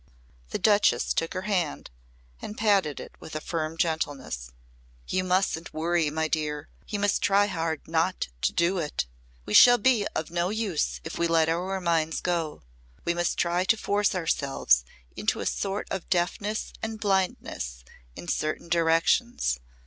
The Duchess took her hand and patted it with firm gentleness. "You mustn't, my dear. You must try hard not to do it. We shall be of no use if we let our minds go. We must try to force ourselves into a sort of deafness and blindness in certain directions.